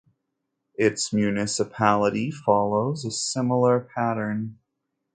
It's municipality follows a similar pattern.